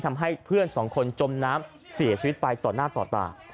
ทำให้เพื่อนสองคนจมน้ำเสียชีวิตไปต่อหน้าต่อตา